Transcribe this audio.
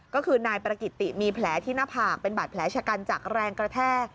ก็คือนายประกิติมีแผลที่หน้าผากเป็นบาดแผลชะกันจากแรงกระแทก